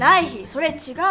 それ違う。